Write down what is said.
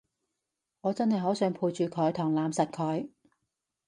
我真係好想陪住佢同攬實佢